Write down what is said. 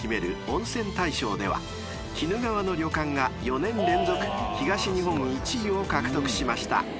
温泉大賞では鬼怒川の旅館が４年連続東日本１位を獲得しました］